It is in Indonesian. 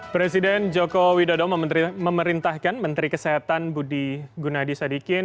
presiden joko widodo memerintahkan menteri kesehatan budi gunadi sadikin